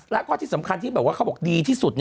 แล้วก็ที่สำคัญที่แบบว่าเขาบอกดีที่สุด